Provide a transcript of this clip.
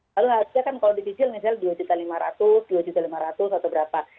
lalu harga kan kalau dicicil misalnya dua lima ratus dua lima ratus atau berapa